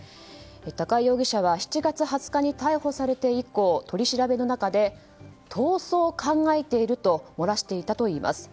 高井容疑者は７月２０日に逮捕されて以降取り調べの中で逃走を考えていると漏らしていたといいます。